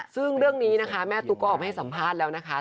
ซึ่งเรื่องนี้นะคะแม่ตุ๊กก็ออกมาให้สัมภาษณ์แล้วนะคะ